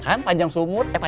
kan panjang sumur